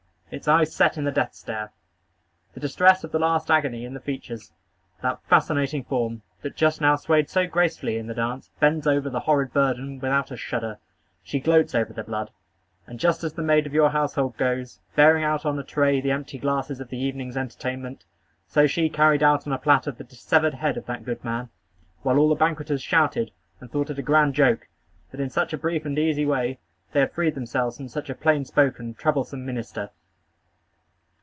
Its eyes set in the death stare. The distress of the last agony in the features. That fascinating form, that just now swayed so gracefully in the dance, bends over the horrid burden without a shudder. She gloats over the blood; and just as the maid of your household goes, bearing out on a tray the empty glasses of the evening's entertainment, so she carried out on a platter the dissevered head of that good man, while all the banqueters shouted, and thought it a grand joke, that, in such a brief and easy way, they had freed themselves from such a plain spoken, troublesome minister.